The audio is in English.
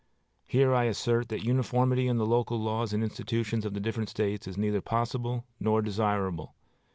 Here I assert that uniformity in the local laws and institutions of the different States is neither possible nor desirable.